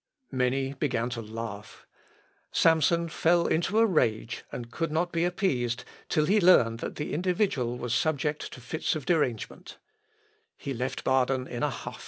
Many began to laugh. Samson fell into a rage, and could not be appeased till he learned that the individual was subject to fits of derangement: he left Baden in a huff.